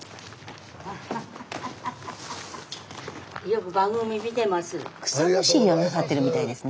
よく番組見てます。